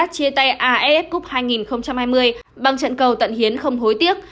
chia tay aff cup hai nghìn hai mươi bằng trận cầu tận hiến không hối tiếc